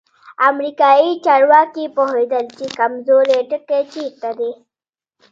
امریکایي چارواکي پوهېدل چې کمزوری ټکی چیرته دی.